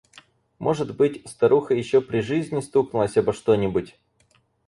Может быть, старуха еще при жизни стукнулась обо что-нибудь?